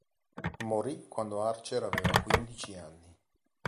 Morì quando Archer aveva quindici anni.